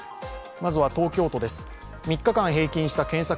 まずは東京都です。